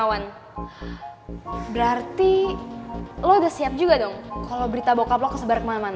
aku gak bisa dibiarin